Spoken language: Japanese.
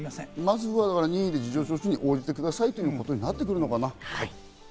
まずは任意で事情聴取に応じてくださいということになるのかな。